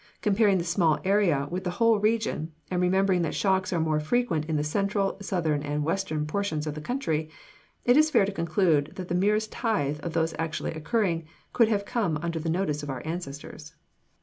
Comparing the small area with the whole region, and remembering that shocks are more frequent in the central, southern and western portions of the country, it is fair to conclude that the merest tithe of those actually occurring could have come under the notice of our ancestors.